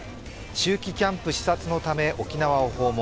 秋季キャンプ視察のため沖縄を訪問。